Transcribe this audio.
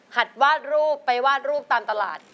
วาดรูปไปวาดรูปตามตลาด